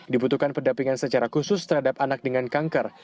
dibutuhkan pendampingan secara khusus terhadap anak dengan kanker